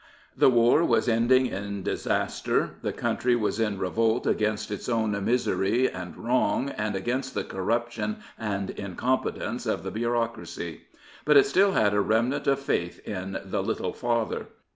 The war was ending in disaster, 262 The Tsar the country was in revolt against its own misery and wrong and against the corruption and incompetence of the bureaucracy. But it still had a remnant of faith in the Little Father.